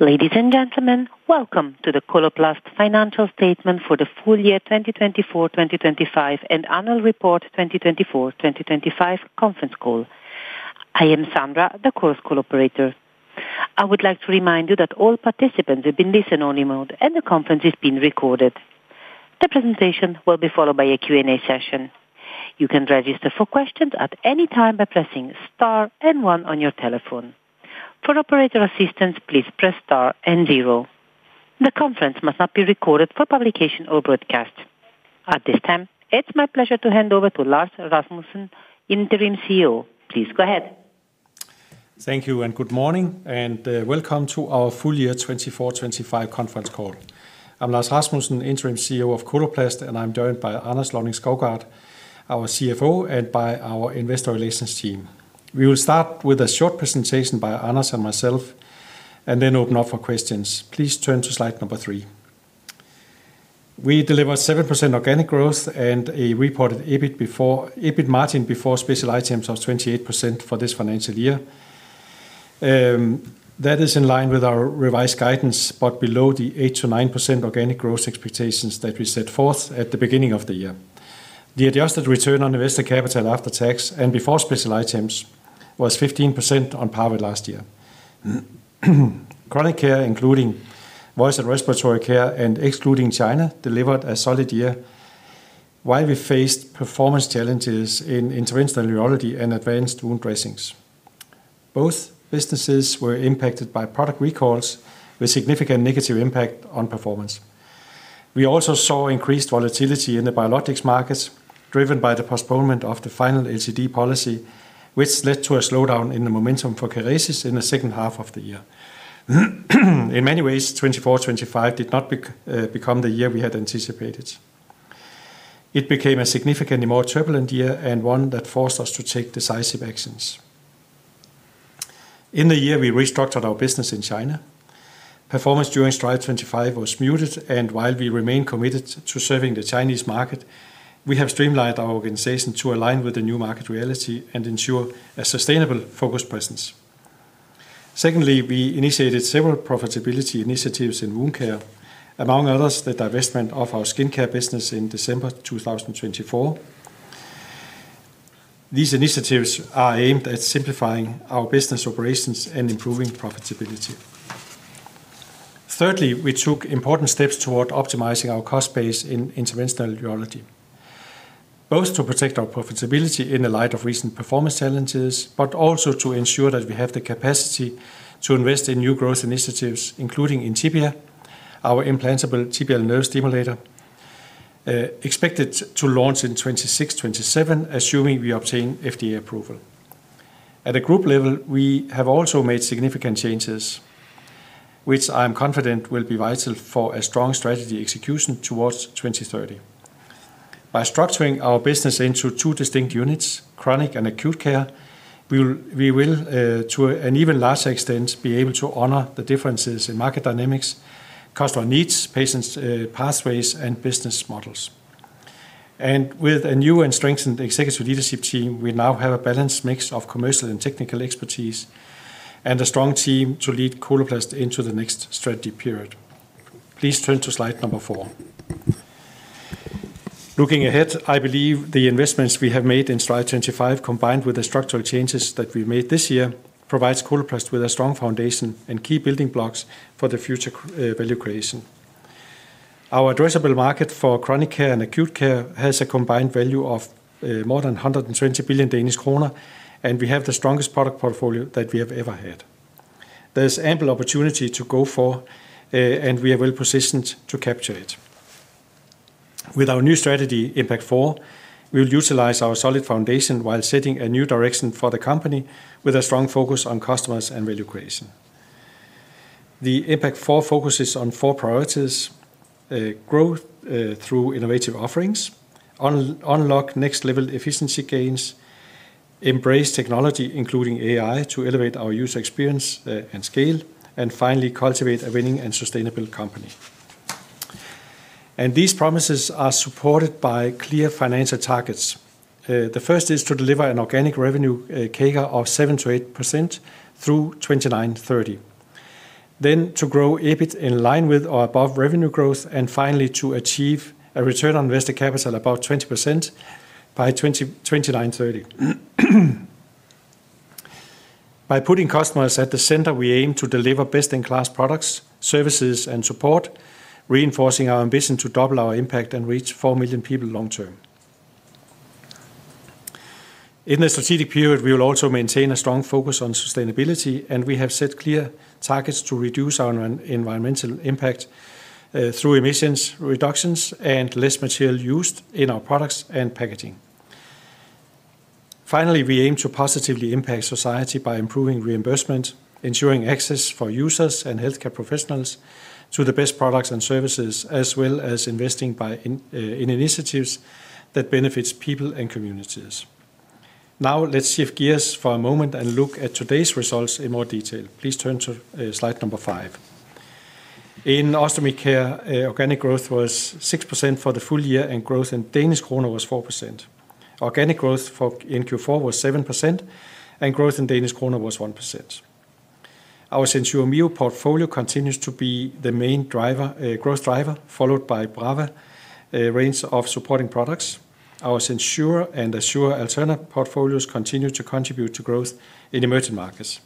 Ladies and gentlemen, welcome to the Coloplast Financial Statement for the full year 2024-2025 and Annual Report 2024-2025 Conference Call. I am Sandra, the call co-operator. I would like to remind you that all participants have been listened on email and the conference is being recorded. The presentation will be followed by a Q&A session. You can register for questions at any time by pressing star and one on your telephone. For operator assistance, please press star and zero. The conference must not be recorded for publication or broadcast. At this time, it's my pleasure to hand over to Lars Rasmussen, Interim CEO. Please go ahead. Thank you and good morning and welcome to our full year 2024-2025 Conference Call. I'm Lars Rasmussen, Interim CEO of Coloplast, and I'm joined by Anders Lonning-Skovgaard, our CFO, and by our Investor Relations team. We will start with a short presentation by Anders and myself and then open up for questions. Please turn to slide number three. We delivered 7% organic growth and a reported EBIT margin before special items of 28% for this financial year. That is in line with our revised guidance, but below the 8%-9% organic growth expectations that we set forth at the beginning of the year. The adjusted return on invested capital after tax and before special items was 15% on par with last year. Chronic care, including voice and respiratory care and excluding China, delivered a solid year. While we faced performance challenges in interventional urology and advanced wound dressings. Both businesses were impacted by product recalls, with significant negative impact on performance. We also saw increased volatility in the biologics markets, driven by the postponement of the final Local Coverage Determination (LCD) policy, which led to a slowdown in the momentum for keratosis in the second half of the year. In many ways, 2024-2025 did not become the year we had anticipated. It became a significantly more turbulent year and one that forced us to take decisive actions. In the year we restructured our business in China, performance during strike 25 was muted, and while we remain committed to serving the Chinese market, we have streamlined our organization to align with the new market reality and ensure a sustainable focused presence. Secondly, we initiated several profitability initiatives in wound care, among others the divestment of our skincare business in December 2024. These initiatives are aimed at simplifying our business operations and improving profitability. Thirdly, we took important steps toward optimizing our cost base in interventional urology. Both to protect our profitability in the light of recent performance challenges, but also to ensure that we have the capacity to invest in new growth initiatives, including Intyvia, our implantable tibial nerve stimulator. Expected to launch in 2026-2027, assuming we obtain FDA approval. At the group level, we have also made significant changes. Which I am confident will be vital for a strong strategy execution towards 2030. By structuring our business into two distinct units, chronic and acute care, we will. To an even larger extent be able to honor the differences in market dynamics, customer needs, patients' pathways, and business models. With a new and strengthened executive leadership team, we now have a balanced mix of commercial and technical expertise and a strong team to lead Coloplast into the next strategy period. Please turn to slide number four. Looking ahead, I believe the investments we have made in strike 25, combined with the structural changes that we made this year, provide Coloplast with a strong foundation and key building blocks for the future value creation. Our addressable market for chronic care and acute care has a combined value of more than 120 billion Danish kroner, and we have the strongest product portfolio that we have ever had. There's ample opportunity to go for. We are well positioned to capture it. With our new strategy, Impact Four, we will utilize our solid foundation while setting a new direction for the company, with a strong focus on customers and value creation. Impact Four focuses on four priorities. Growth through innovative offerings, unlock next-level efficiency gains. Embrace technology, including AI, to elevate our user experience and scale, and finally cultivate a winning and sustainable company. These promises are supported by clear financial targets. The first is to deliver an organic revenue CAGR of 7%-8% through 2039. Then to grow EBIT in line with or above revenue growth, and finally to achieve a return on invested capital of about 20% by 2039. By putting customers at the center, we aim to deliver best-in-class products, services, and support. Reinforcing our ambition to double our impact and reach 4 million people long-term. In the strategic period, we will also maintain a strong focus on sustainability, and we have set clear targets to reduce our environmental impact. Through emissions reductions and less material used in our products and packaging. Finally, we aim to positively impact society by improving reimbursement, ensuring access for users and healthcare professionals to the best products and services, as well as investing in initiatives that benefit people and communities. Now, let's shift gears for a moment and look at today's results in more detail. Please turn to slide number five. In ostomy care, organic growth was 6% for the full year, and growth in DKK was 4%. Organic growth in Q4 was 7%, and growth in DKK was 1%. Our Sensure MEO portfolio continues to be the main growth driver, followed by Brava range of supporting products. Our Sensure and Assure alternate portfolios continue to contribute to growth in emerging markets.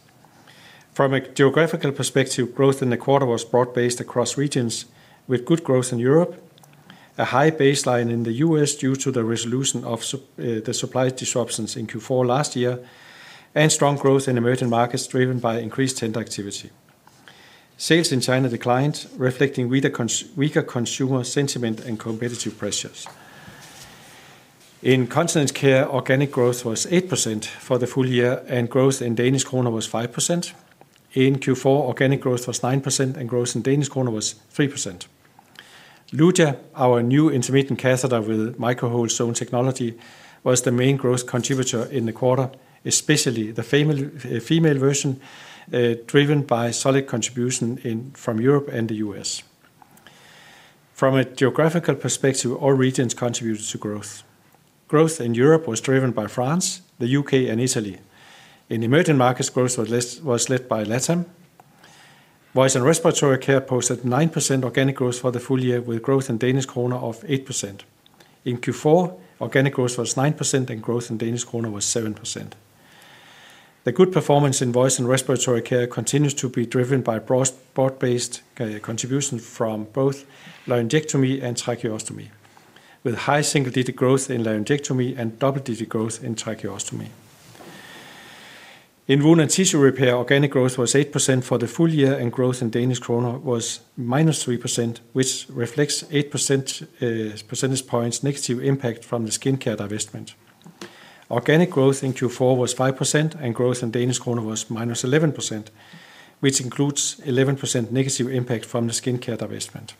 From a geographical perspective, growth in the quarter was broad-based across regions, with good growth in Europe, a high baseline in the US due to the resolution of the supply disruptions in Q4 last year, and strong growth in emerging markets driven by increased tender activity. Sales in China declined, reflecting weaker consumer sentiment and competitive pressures. In continent care, organic growth was 8% for the full year, and growth in DKK was 5%. In Q4, organic growth was 9%, and growth in DKK was 3%. Ludia, our new intermittent catheter with micro-hole zone technology, was the main growth contributor in the quarter, especially the female version, driven by solid contribution from Europe and the US. From a geographical perspective, all regions contributed to growth. Growth in Europe was driven by France, the U.K., and Italy. In emerging markets, growth was led by LatAm. Voice and respiratory care posted 9% organic growth for the full year, with growth in DKK of 8%. In Q4, organic growth was 9%, and growth in DKK was 7%. The good performance in voice and respiratory care continues to be driven by broad-based contribution from both laryngectomy and tracheostomy, with high single-digit growth in laryngectomy and double-digit growth in tracheostomy. In wound and tissue repair, organic growth was 8% for the full year, and growth in DKK was -3%, which reflects 8 percentage points negative impact from the skin care divestment. Organic growth in Q4 was 5%, and growth in DKK was -11%, which includes 11% negative impact from the skin care divestment.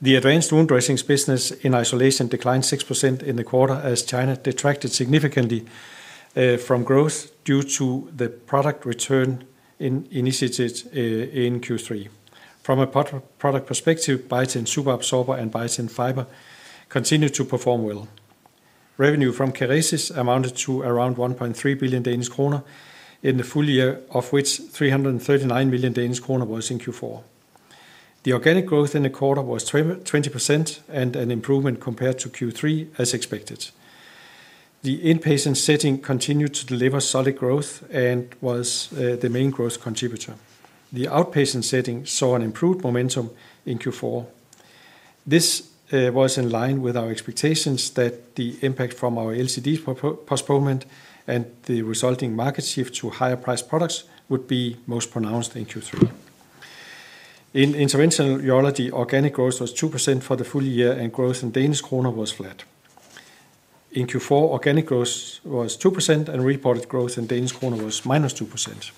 The advanced wound dressings business in isolation declined 6% in the quarter as China detracted significantly from growth due to the product return initiatives in Q3. From a product perspective, Biotin superabsorber and Biotin fiber continue to perform well. Revenue from keratosis amounted to around 1.3 billion Danish kroner in the full year, of which 339 million Danish kroner was in Q4. The organic growth in the quarter was 20% and an improvement compared to Q3, as expected. The inpatient setting continued to deliver solid growth and was the main growth contributor. The outpatient setting saw an improved momentum in Q4. This was in line with our expectations that the impact from our LCD postponement and the resulting market shift to higher-priced products would be most pronounced in Q3. In interventional urology, organic growth was 2% for the full year, and growth in DKK was flat. In Q4, organic growth was 2%, and reported growth in DKK was -2%.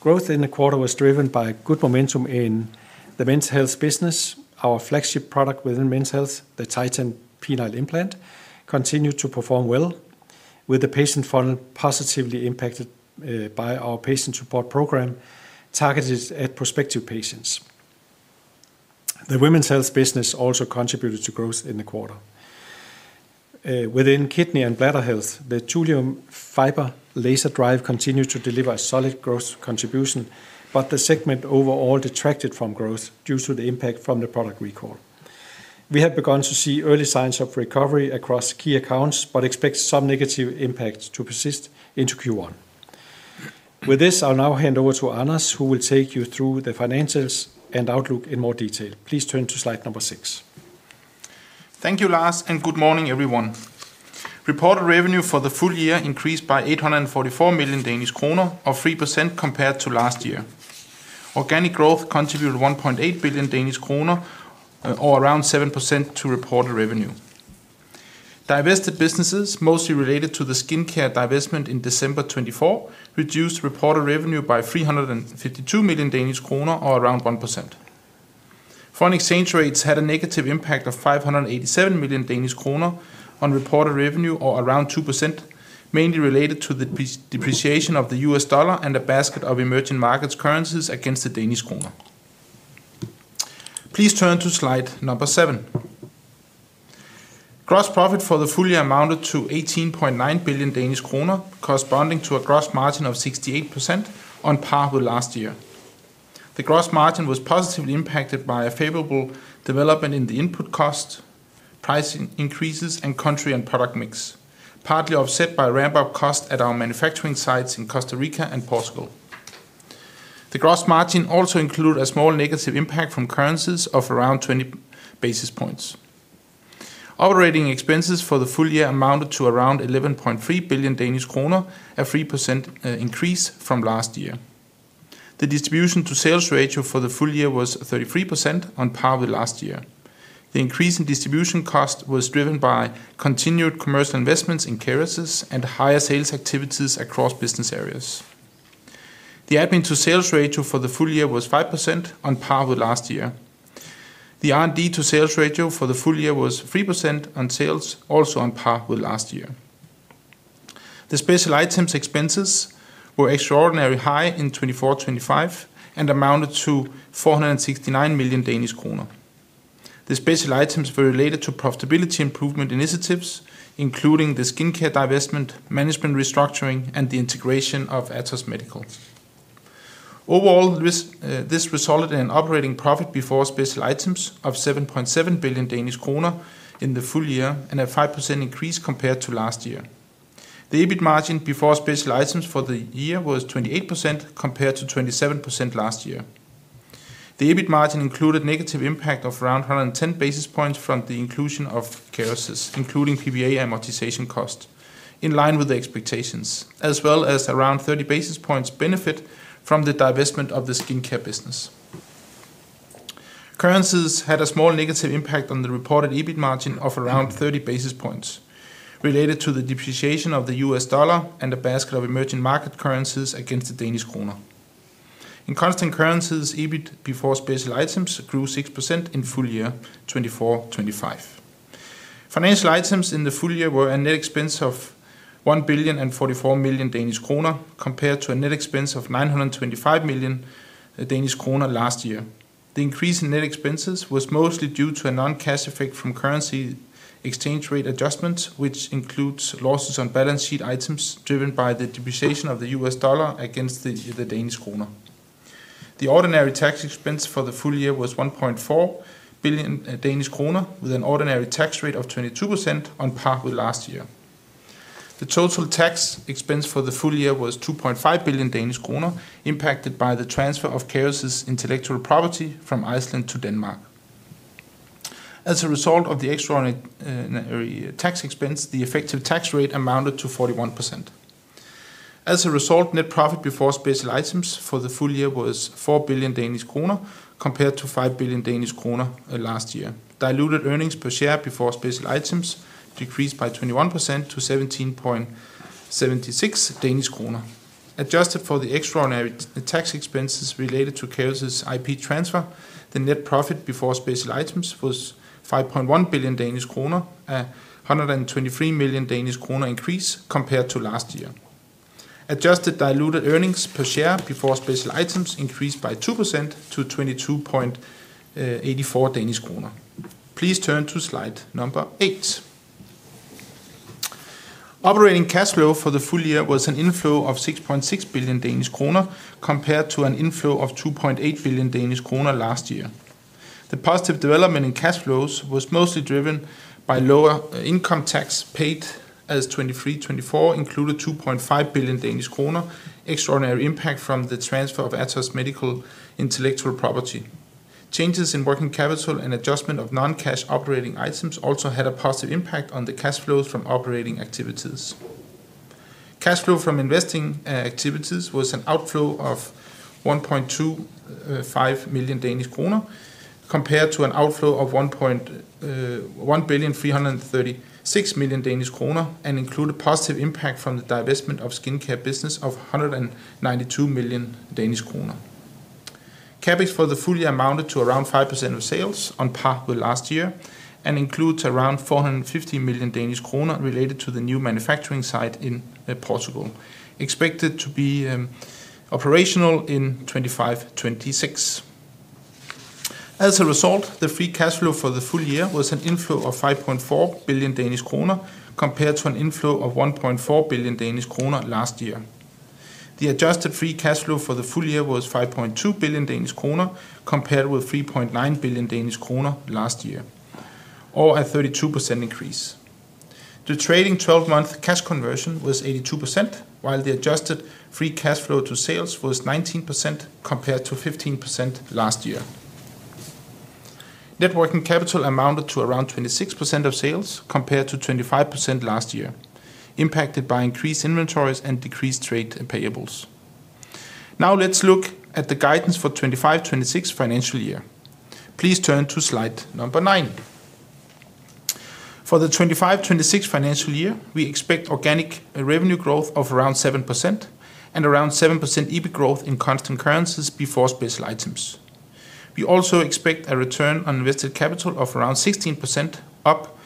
Growth in the quarter was driven by good momentum in the men's health business. Our flagship product within men's health, the Titan penile implant, continued to perform well, with the patient funnel positively impacted by our patient support program targeted at prospective patients. The women's health business also contributed to growth in the quarter. Within kidney and bladder health, the Tullium Fiber Laser Drive continued to deliver a solid growth contribution, but the segment overall detracted from growth due to the impact from the product recall. We have begun to see early signs of recovery across key accounts, but expect some negative impact to persist into Q1. With this, I'll now hand over to Anders, who will take you through the financials and outlook in more detail. Please turn to slide number six. Thank you, Lars, and good morning, everyone. Reported revenue for the full year increased by 844 million Danish kroner, or 3% compared to last year. Organic growth contributed 1.8 billion Danish kroner, or around 7% to reported revenue. Divested businesses, mostly related to the skin care divestment in December 2024, reduced reported revenue by 352 million Danish kroner, or around 1%. Foreign exchange rates had a negative impact of 587 million Danish kroner on reported revenue, or around 2%, mainly related to the depreciation of the US dollar and a basket of emerging markets currencies against the Danish kroner. Please turn to slide number seven. Gross profit for the full year amounted to 18.9 billion Danish kroner, corresponding to a gross margin of 68% on par with last year. The gross margin was positively impacted by a favorable development in the input cost, pricing increases, and country and product mix, partly offset by ramp-up cost at our manufacturing sites in Costa Rica and Portugal. The gross margin also included a small negative impact from currencies of around 20 basis points. Operating expenses for the full year amounted to around 11.3 billion Danish kroner, a 3% increase from last year. The distribution to sales ratio for the full year was 33% on par with last year. The increase in distribution cost was driven by continued commercial investments in keratosis and higher sales activities across business areas. The app into sales ratio for the full year was 5% on par with last year. The R&D to sales ratio for the full year was 3% on sales, also on par with last year. The special items expenses were extraordinarily high in 2024-2025 and amounted to 469 million Danish kroner. The special items were related to profitability improvement initiatives, including the skin care divestment, management restructuring, and the integration of Atos Medical. Overall, this resulted in an operating profit before special items of 7.7 billion Danish kroner in the full year and a 5% increase compared to last year. The EBIT margin before special items for the year was 28% compared to 27% last year. The EBIT margin included a negative impact of around 110 basis points from the inclusion of keratosis, including PVA amortization cost, in line with the expectations, as well as around 30 basis points benefit from the divestment of the skin care business. Currencies had a small negative impact on the reported EBIT margin of around 30 basis points, related to the depreciation of the US dollar and a basket of emerging market currencies against the Danish kroner. In constant currencies, EBIT before special items grew 6% in full year 2024-2025. Financial items in the full year were a net expense of 1 billion 44 million compared to a net expense of 925 million Danish kroner last year. The increase in net expenses was mostly due to a non-cash effect from currency exchange rate adjustments, which includes losses on balance sheet items driven by the depreciation of the US dollar against the DKK. The ordinary tax expense for the full year was 1.4 billion Danish kroner, with an ordinary tax rate of 22% on par with last year. The total tax expense for the full year was 2.5 billion Danish kroner, impacted by the transfer of keratosis intellectual property from Iceland to Denmark. As a result of the extraordinary tax expense, the effective tax rate amounted to 41%. As a result, net profit before special items for the full year was 4 billion Danish kroner compared to 5 billion Danish kroner last year. Diluted earnings per share before special items decreased by 21% to 17.76 Danish kroner. Adjusted for the extraordinary tax expenses related to keratosis IP transfer, the net profit before special items was 5.1 billion Danish kroner, a 123 million Danish kroner increase compared to last year. Adjusted diluted earnings per share before special items increased by 2% to 22.84 Danish kroner. Please turn to slide number eight. Operating cash flow for the full year was an inflow of 6.6 billion Danish kroner compared to an inflow of 2.8 billion Danish kroner last year. The positive development in cash flows was mostly driven by lower income tax paid as 2023-2024 included 2.5 billion Danish kroner, extraordinary impact from the transfer of Atos Medical intellectual property. Changes in working capital and adjustment of non-cash operating items also had a positive impact on the cash flows from operating activities. Cash flow from investing activities was an outflow of 1.25 million Danish kroner compared to an outflow of 1.1 billion 336 million and included positive impact from the divestment of skin care business of 192 million Danish kroner. CapEx for the full year amounted to around 5% of sales, on par with last year, and includes around 450 million Danish kroner related to the new manufacturing site in Portugal, expected to be operational in 2025-2026. As a result, the free cash flow for the full year was an inflow of 5.4 billion Danish kroner compared to an inflow of 1.4 billion Danish kroner last year. The adjusted free cash flow for the full year was 5.2 billion Danish kroner compared with 3.9 billion Danish kroner last year, or a 32% increase. The trading 12-month cash conversion was 82%, while the adjusted free cash flow to sales was 19% compared to 15% last year. Net working capital amounted to around 26% of sales compared to 25% last year, impacted by increased inventories and decreased trade payables. Now let's look at the guidance for the 2025-2026 financial year. Please turn to slide number nine. For the 2025-2026 financial year, we expect organic revenue growth of around 7% and around 7% EBIT growth in constant currencies before special items. We also expect a return on invested capital of around 16%, up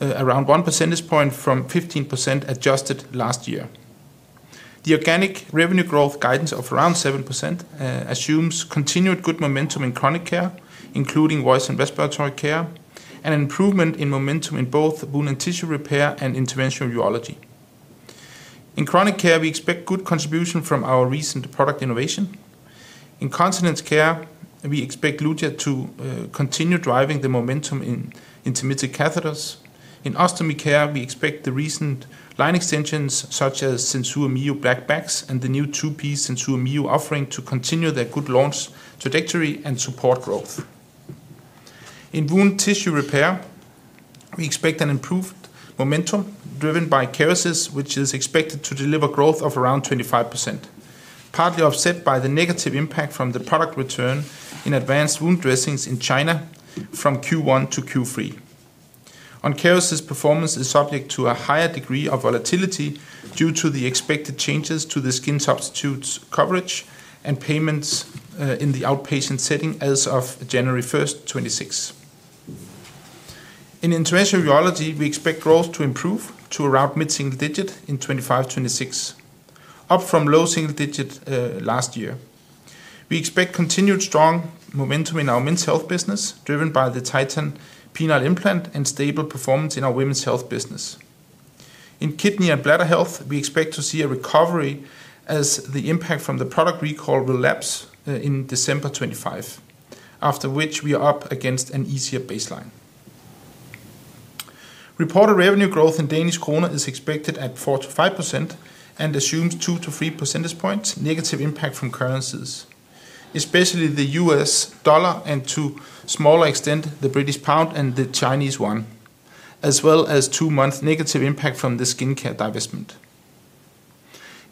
around 1% from 15% adjusted last year. The organic revenue growth guidance of around 7% assumes continued good momentum in chronic care, including voice and respiratory care, and an improvement in momentum in both wound and tissue repair and interventional urology. In chronic care, we expect good contribution from our recent product innovation. In continent care, we expect Ludia to continue driving the momentum in intermittent catheters. In ostomy care, we expect the recent line extensions such as SensuMio Black Bags and the new two-piece SensuMio offering to continue their good launch trajectory and support growth. In wound tissue repair, we expect an improved momentum driven by keratosis, which is expected to deliver growth of around 25%, partly offset by the negative impact from the product return in advanced wound dressings in China from Q1 to Q3. On keratosis, performance is subject to a higher degree of volatility due to the expected changes to the skin substitutes coverage and payments in the outpatient setting as of January 1, 2026. In interventional urology, we expect growth to improve to around mid-single digit in 2025-2026, up from low single digit last year. We expect continued strong momentum in our men's health business, driven by the Titan penile implant and stable performance in our women's health business. In kidney and bladder health, we expect to see a recovery as the impact from the product recall relapse in December 2025, after which we are up against an easier baseline. Reported revenue growth in Danish kroner is expected at 4-5% and assumes 2-3 percentage points negative impact from currencies, especially the US dollar and, to a smaller extent, the British pound and the Chinese yuan, as well as two-month negative impact from the skin care divestment.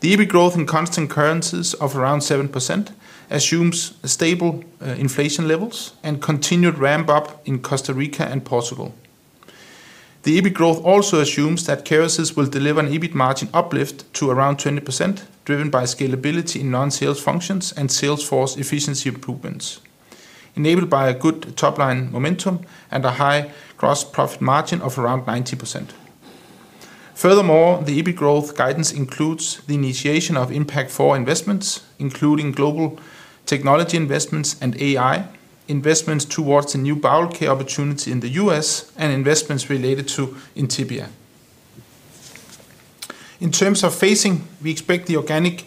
The EBIT growth in constant currencies of around 7% assumes stable inflation levels and continued ramp-up in Costa Rica and Portugal. The EBIT growth also assumes that keratosis will deliver an EBIT margin uplift to around 20%, driven by scalability in non-sales functions and sales force efficiency improvements, enabled by a good top-line momentum and a high gross profit margin of around 90%. Furthermore, the EBIT growth guidance includes the initiation of impact for investments, including global technology investments and AI investments towards a new bowel care opportunity in the US and investments related to Intyvia. In terms of phasing, we expect the organic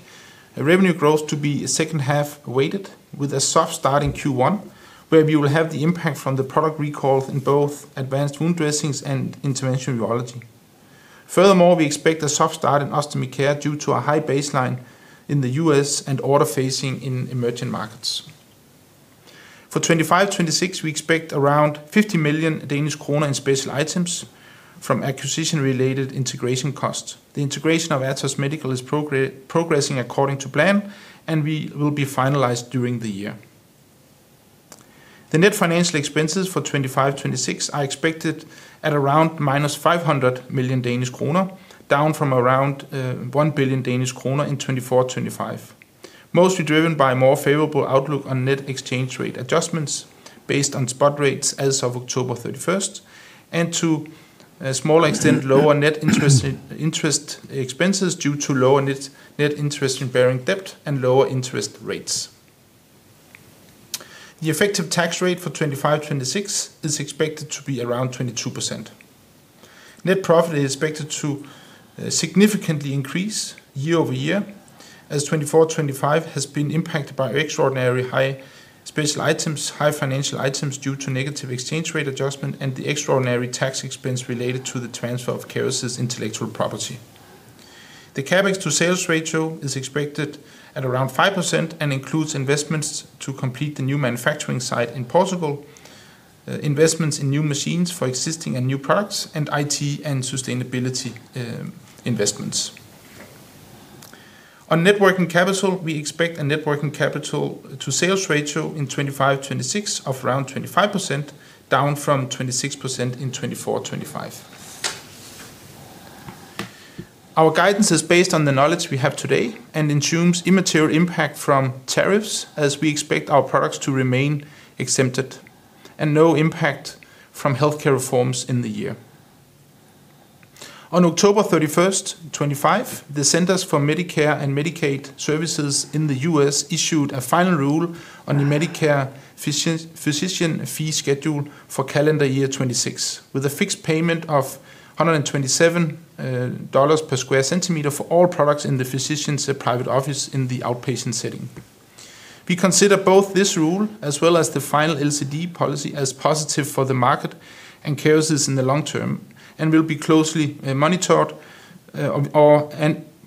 revenue growth to be second-half weighted, with a soft start in Q1, where we will have the impact from the product recall in both advanced wound dressings and interventional urology. Furthermore, we expect a soft start in ostomy care due to a high baseline in the US and order phasing in emerging markets. For 2025-2026, we expect around 50 million Danish kroner in special items from acquisition-related integration costs. The integration of Atos Medical is progressing according to plan, and we will be finalized during the year. The net financial expenses for 2025-2026 are expected at around 500 million Danish kroner, down from around 1 billion Danish kroner in 2024-2025, mostly driven by a more favorable outlook on net exchange rate adjustments based on spot rates as of October 31, and to a smaller extent, lower net interest. Expenses due to lower net interest-bearing debt and lower interest rates. The effective tax rate for 2025-2026 is expected to be around 22%. Net profit is expected to significantly increase year over year, as 2024-2025 has been impacted by extraordinary high special items, high financial items due to negative exchange rate adjustment, and the extraordinary tax expense related to the transfer of keratosis intellectual property. The CapEx to sales ratio is expected at around 5% and includes investments to complete the new manufacturing site in Portugal, investments in new machines for existing and new products, and IT and sustainability investments. On networking capital, we expect a networking capital to sales ratio in 2025-2026 of around 25%, down from 26% in 2024-2025. Our guidance is based on the knowledge we have today and assumes immaterial impact from tariffs, as we expect our products to remain exempted, and no impact from healthcare reforms in the year. On October 31, 2025, the Centers for Medicare and Medicaid Services in the U.S. issued a final rule on the Medicare physician fee schedule for calendar year 2026, with a fixed payment of $127 per square centimeter for all products in the physician's private office in the outpatient setting. We consider both this rule as well as the final Local Coverage Determination policy as positive for the market and keratosis in the long term and will be closely monitored.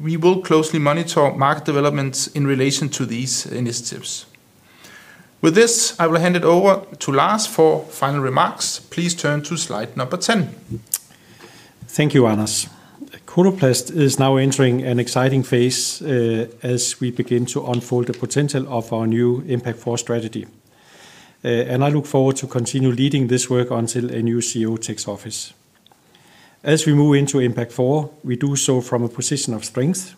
We will closely monitor market developments in relation to these initiatives. With this, I will hand it over to Lars for final remarks. Please turn to slide number 10. Thank you, Anas. Coloplast is now entering an exciting phase as we begin to unfold the potential of our new Impact Four strategy. I look forward to continue leading this work until a new CEO takes office. As we move into Impact Four, we do so from a position of strength,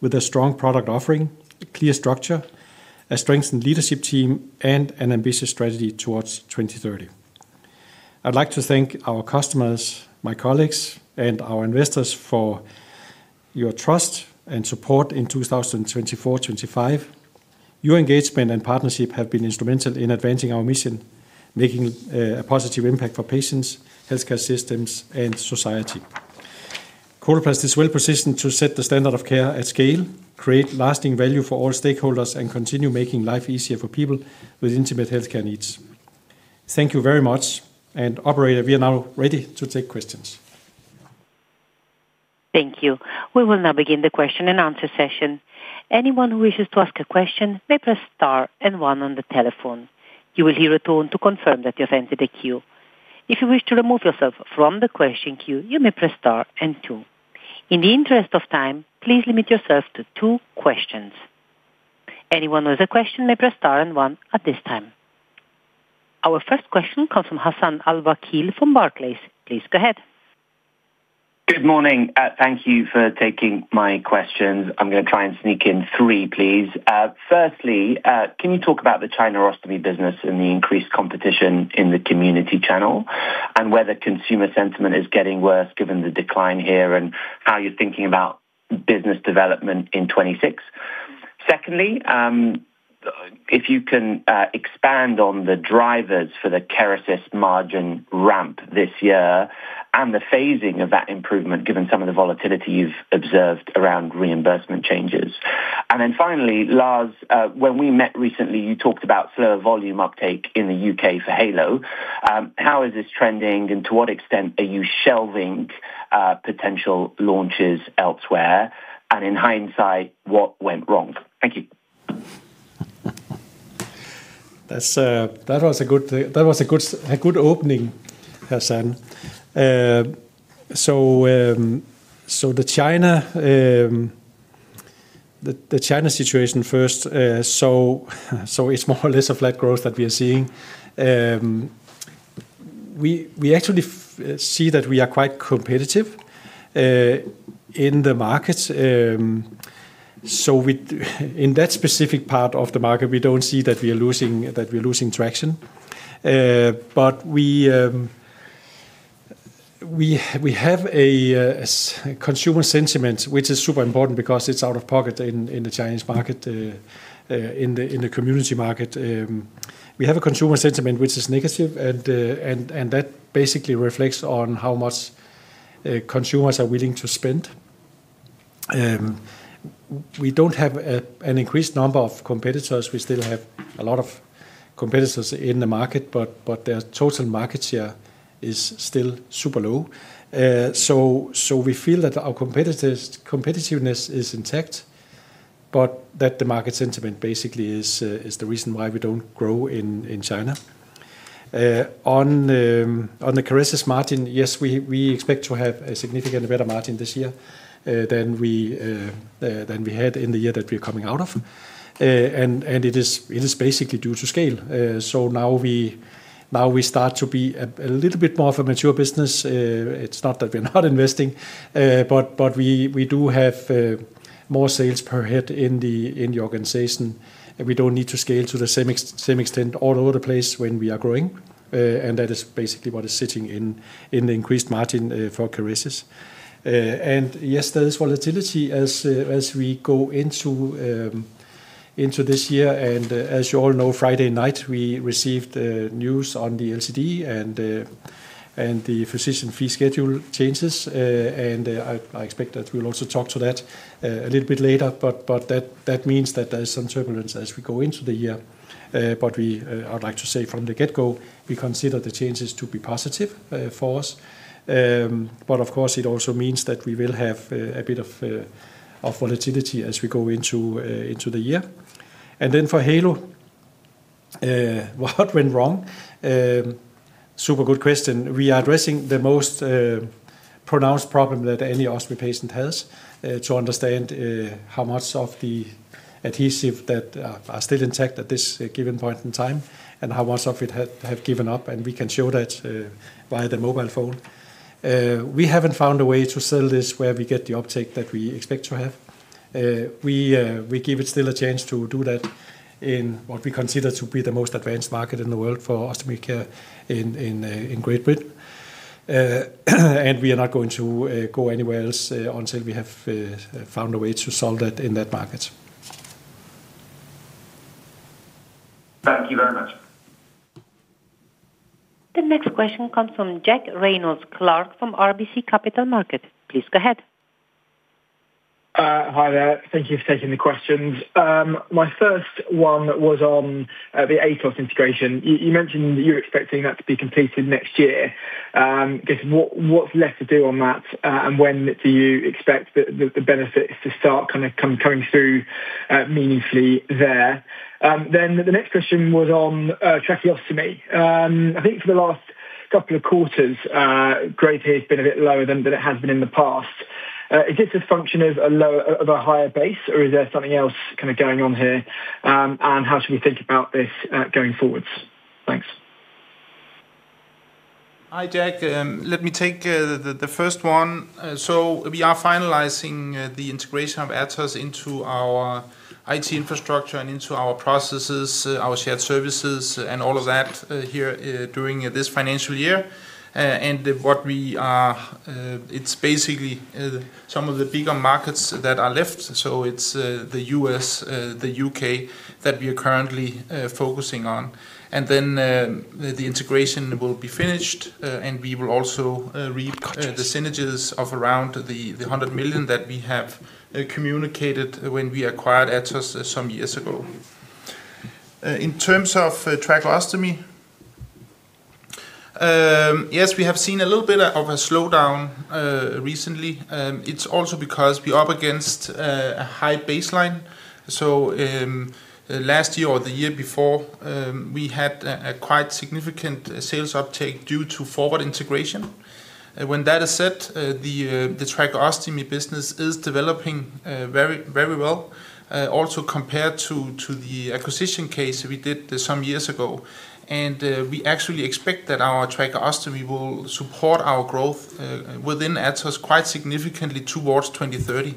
with a strong product offering, a clear structure, a strengthened leadership team, and an ambitious strategy towards 2030. I'd like to thank our customers, my colleagues, and our investors for your trust and support in 2024-2025. Your engagement and partnership have been instrumental in advancing our mission, making a positive impact for patients, healthcare systems, and society. Coloplast is well positioned to set the standard of care at scale, create lasting value for all stakeholders, and continue making life easier for people with intimate healthcare needs. Thank you very much, and operator, we are now ready to take questions. Thank you. We will now begin the question and answer session. Anyone who wishes to ask a question may press Star and One on the telephone. You will hear a tone to confirm that you have entered the queue. If you wish to remove yourself from the question queue, you may press Star and Two. In the interest of time, please limit yourself to two questions. Anyone with a question may press Star and One at this time. Our first question comes from Hassan Al-Wakil from Barclays. Please go ahead. Good morning. Thank you for taking my questions. I'm going to try and sneak in three, please. Firstly, can you talk about the China ostomy business and the increased competition in the community channel, and whether consumer sentiment is getting worse given the decline here, and how you're thinking about business development in 2026? Secondly, if you can expand on the drivers for the keratosis margin ramp this year and the phasing of that improvement, given some of the volatility you've observed around reimbursement changes. And then finally, Lars, when we met recently, you talked about slower volume uptake in the U.K. for Halo. How is this trending, and to what extent are you shelving potential launches elsewhere, and in hindsight, what went wrong? Thank you. That was a good opening, Hassan. The China situation first. It is more or less a flat growth that we are seeing. We actually see that we are quite competitive in the market. In that specific part of the market, we do not see that we are losing traction. We have a consumer sentiment, which is super important because it is out of pocket in the Chinese market. In the community market, we have a consumer sentiment which is negative, and that basically reflects on how much consumers are willing to spend. We do not have an increased number of competitors. We still have a lot of competitors in the market, but their total market share is still super low. We feel that our competitiveness is intact, but that the market sentiment basically is the reason why we do not grow in China. On the keratosis margin, yes, we expect to have a significantly better margin this year than we had in the year that we are coming out of. It is basically due to scale. Now we start to be a little bit more of a mature business. It is not that we are not investing, but we do have more sales per head in the organization. We do not need to scale to the same extent all over the place when we are growing, and that is basically what is sitting in the increased margin for keratosis. Yes, there is volatility as we go into this year. As you all know, Friday night, we received news on the LCD and the physician fee schedule changes, and I expect that we will also talk to that a little bit later. That means that there is some turbulence as we go into the year. I'd like to say from the get-go, we consider the changes to be positive for us. Of course, it also means that we will have a bit of volatility as we go into the year. For Halo, what went wrong? Super good question. We are addressing the most pronounced problem that any ostomy patient has, to understand how much of the adhesive is still intact at this given point in time and how much of it has given up. We can show that via the mobile phone. We haven't found a way to sell this where we get the uptake that we expect to have. We give it still a chance to do that in what we consider to be the most advanced market in the world for ostomy care in Great Britain. We are not going to go anywhere else until we have found a way to solve that in that market. Thank you very much. The next question comes from Jack Reynolds Clark from RBC Capital Markets. Please go ahead. Hi there. Thank you for taking the questions. My first one was on the Atos integration. You mentioned that you're expecting that to be completed next year. I guess what's left to do on that, and when do you expect the benefits to start kind of coming through meaningfully there? The next question was on tracheostomy. I think for the last couple of quarters, growth here has been a bit lower than it has been in the past. Is this a function of a higher base, or is there something else kind of going on here, and how should we think about this going forwards? Thanks. Hi, Jack. Let me take the first one. We are finalizing the integration of Atos into our IT infrastructure and into our processes, our shared services, and all of that here during this financial year. It's basically some of the bigger markets that are left. It's the U.S., the U.K. that we are currently focusing on. The integration will be finished, and we will also reap the synergies of around 100 million that we have communicated when we acquired Atos some years ago. In terms of tracheostomy, yes, we have seen a little bit of a slowdown recently. It's also because we are up against a high baseline. Last year or the year before, we had a quite significant sales uptake due to forward integration. When that is said, the tracheostomy business is developing very well, also compared to the acquisition case we did some years ago. We actually expect that our tracheostomy will support our growth within Atos quite significantly towards 2030.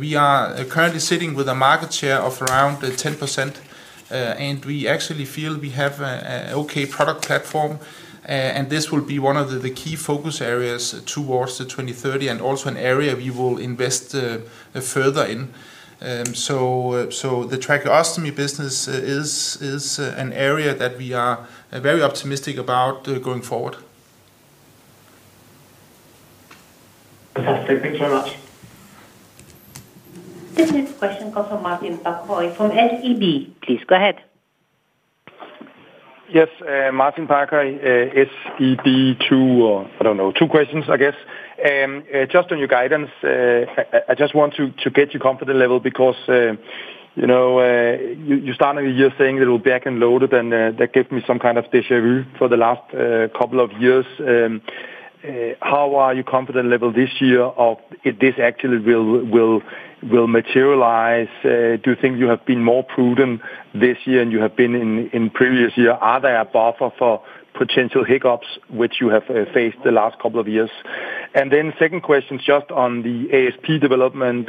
We are currently sitting with a market share of around 10%. We actually feel we have an okay product platform. This will be one of the key focus areas towards 2030 and also an area we will invest. Further in. So the tracheostomy business is an area that we are very optimistic about going forward. Thank you very much. This next question comes from Martin Barkhoy from SEB. Please go ahead. Yes, Martin Barkhoy, SEB, two or I don't know, two questions, I guess. Just on your guidance, I just want to get your confidence level because you started your year saying that it will be back and loaded, and that gave me some kind of déjà vu for the last couple of years. How are you confident level this year of if this actually will materialize? Do you think you have been more prudent this year than you have been in previous years? Are there buffers for potential hiccups which you have faced the last couple of years? And then second question is just on the ASP development.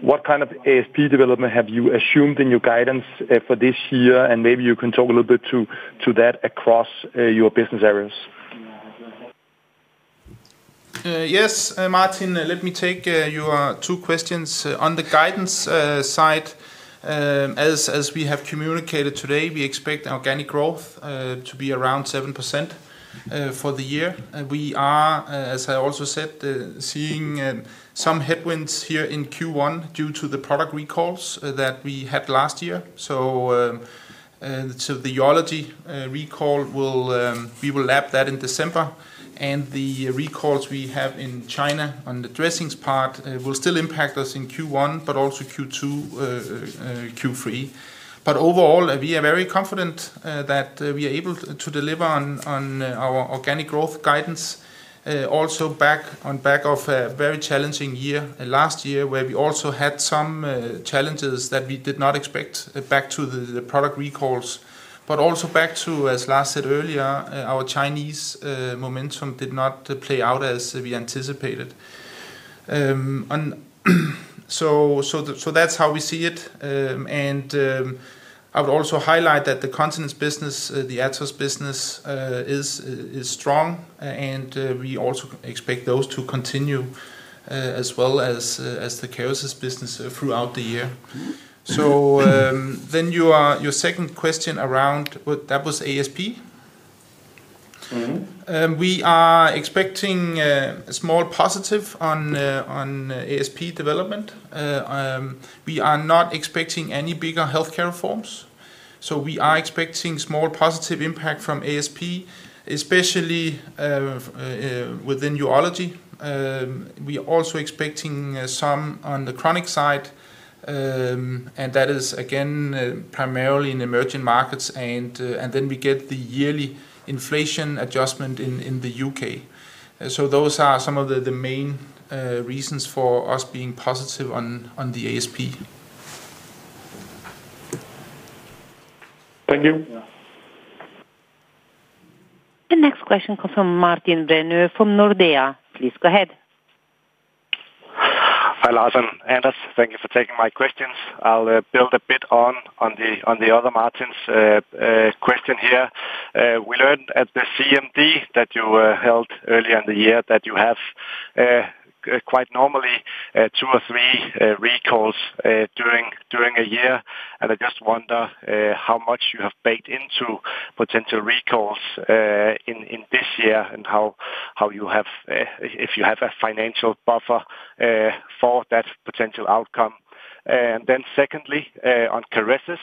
What kind of ASP development have you assumed in your guidance for this year? And maybe you can talk a little bit to that across your business areas. Yes, Martin, let me take your two questions. On the guidance side, as we have communicated today, we expect organic growth to be around 7% for the year. We are, as I also said, seeing some headwinds here in Q1 due to the product recalls that we had last year. The geology recall, we will lap that in December. The recalls we have in China on the dressings part will still impact us in Q1, but also Q2, Q3. Overall, we are very confident that we are able to deliver on our organic growth guidance. Also back on back of a very challenging year last year, where we also had some challenges that we did not expect back to the product recalls. Also back to, as Lars said earlier, our Chinese momentum did not play out as we anticipated. That is how we see it. I would also highlight that the continent's business, the Atos business, is strong, and we also expect those to continue, as well as the keratosis business throughout the year. Your second question around, that was ASP? We are expecting a small positive on ASP development. We are not expecting any bigger healthcare reforms. We are expecting small positive impact from ASP, especially within urology. We are also expecting some on the chronic side, and that is, again, primarily in emerging markets. We get the yearly inflation adjustment in the U.K. Those are some of the main reasons for us being positive on the ASP. Thank you. The next question comes from Martin Reynolds from Nordea. Please go ahead. Hi Larson and Anders. Thank you for taking my questions. I'll build a bit on the other Martin's question here. We learned at the CMD that you held earlier in the year that you have quite normally two or three recalls during a year. I just wonder how much you have baked into potential recalls. In this year and how you have, if you have a financial buffer for that potential outcome. Secondly, on keratosis,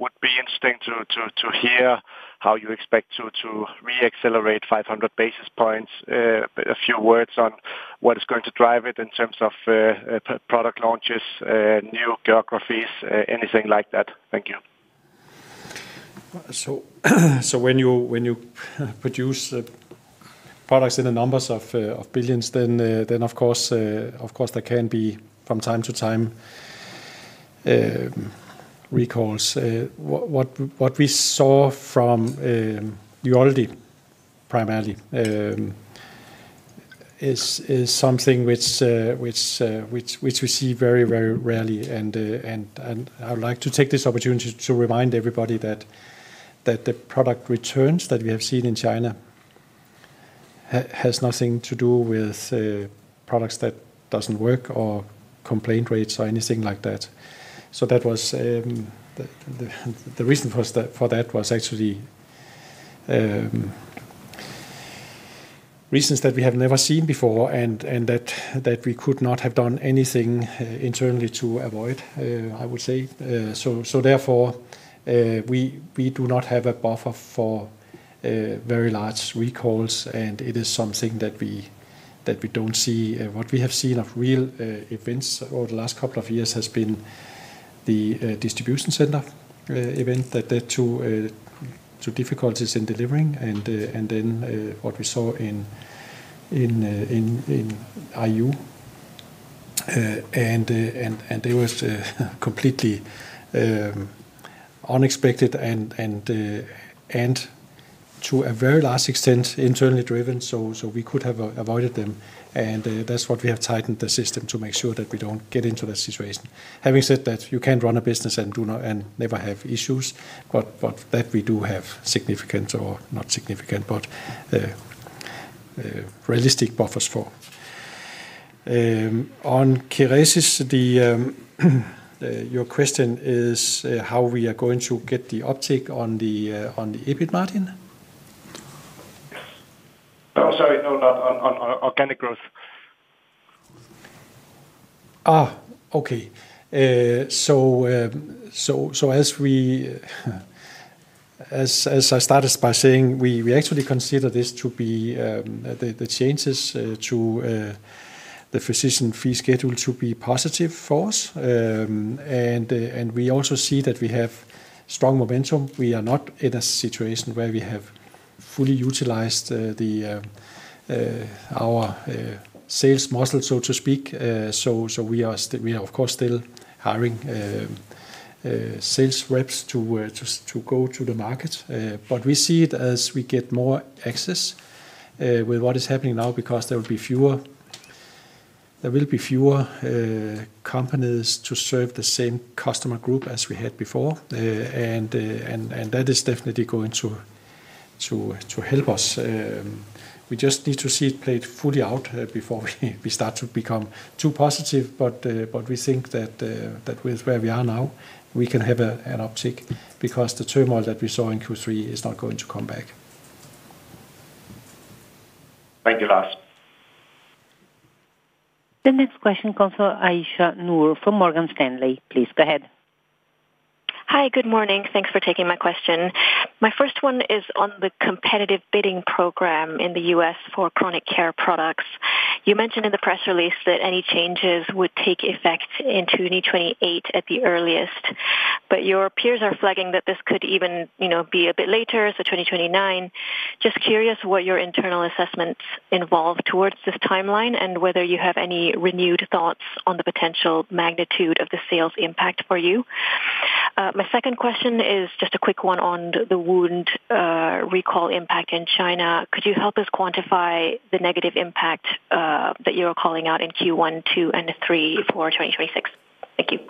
would be interesting to hear how you expect to re-accelerate 500 basis points. A few words on what is going to drive it in terms of product launches, new geographies, anything like that. Thank you. When you produce products in the numbers of billions, then of course there can be from time to time recalls. What we saw from urology primarily is something which we see very, very rarely. I would like to take this opportunity to remind everybody that the product returns that we have seen in China have nothing to do with products that do not work or complaint rates or anything like that. The reason for that was actually reasons that we have never seen before and that we could not have done anything internally to avoid, I would say. Therefore, we do not have a buffer for very large recalls, and it is something that we do not see. What we have seen of real events over the last couple of years has been the distribution center event that led to difficulties in delivering, and then what we saw in IU. They were completely unexpected and to a very large extent internally driven. We could have avoided them, and that is what we have tightened the system to make sure that we do not get into that situation. Having said that, you cannot run a business and never have issues, but we do have significant or not significant, but realistic buffers for. On keratosis, your question is how we are going to get the uptake on the EBIT, Martin? Oh, sorry. No, not on organic growth, okay. As I started by saying, we actually consider this to be the changes to the physician fee schedule to be positive for us. We also see that we have strong momentum. We are not in a situation where we have fully utilized our sales muscle, so to speak. We are, of course, still hiring sales reps to go to the market, but we see it as we get more access with what is happening now because there will be fewer, there will be fewer companies to serve the same customer group as we had before. That is definitely going to help us. We just need to see it played fully out before we start to become too positive, but we think that with where we are now, we can have an uptake because the turmoil that we saw in Q3 is not going to come back. Thank you, Lars. The next question comes from Aisha Noor from Morgan Stanley. Please go ahead. Hi, good morning. Thanks for taking my question. My first one is on the competitive bidding program in the US for chronic care products. You mentioned in the press release that any changes would take effect in 2028 at the earliest. But your peers are flagging that this could even be a bit later, so 2029. Just curious what your internal assessments involve towards this timeline and whether you have any renewed thoughts on the potential magnitude of the sales impact for you. My second question is just a quick one on the wound. Recall impact in China. Could you help us quantify the negative impact that you are calling out in Q1, Q2, and Q3 for 2026? Thank you.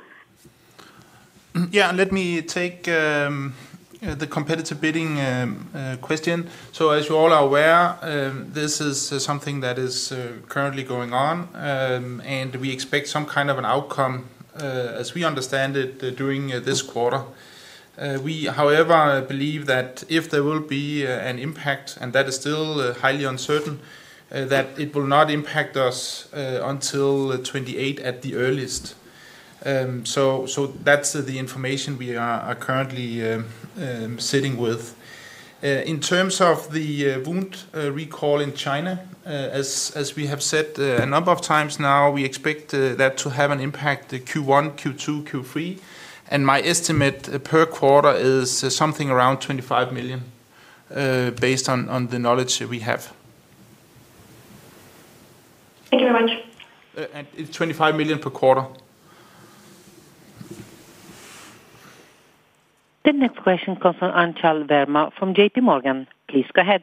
Yeah, let me take the competitive bidding question. As you all are aware, this is something that is currently going on. We expect some kind of an outcome as we understand it during this quarter. We, however, believe that if there will be an impact, and that is still highly uncertain, that it will not impact us until 2028 at the earliest. That is the information we are currently sitting with. In terms of the wound recall in China, as we have said a number of times now, we expect that to have an impact Q1, Q2, Q3. My estimate per quarter is something around 25 million. Based on the knowledge we have. Thank you very much. It is 25 million per quarter. The next question comes from Anshal Verma from JP Morgan. Please go ahead.